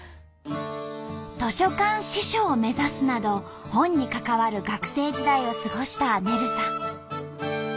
図書館司書を目指すなど本に関わる学生時代を過ごしたねるさん。